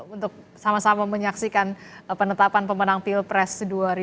untuk sama sama menyaksikan penetapan pemenang pilpres dua ribu sembilan belas